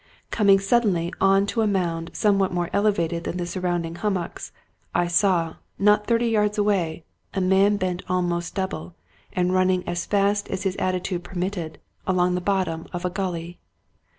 Coming suddenly on to a mound some what more elevated than the surrounding hummocks, I saw,, not thirty yards away, a man bent almost double, and run ning as fast as his attitude permitted, along the bottom of a gully.